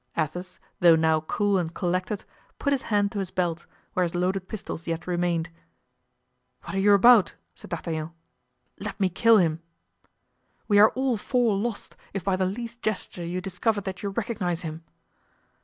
Athos, though now cool and collected, put his hand to his belt, where his loaded pistols yet remained. "What are you about?" said D'Artagnan. "Let me kill him." "We are all four lost, if by the least gesture you discover that you recognize him."